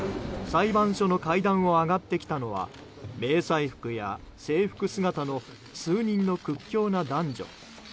裁判所の階段を上がってきたのは迷彩服や制服姿の数人の屈強な男女。